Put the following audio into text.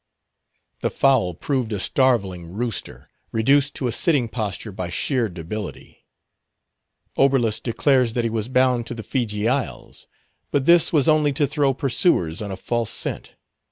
The fowl proved a starveling rooster, reduced to a sitting posture by sheer debility. Oberlus declares that he was bound to the Feejee Isles; but this was only to throw pursuers on a false scent.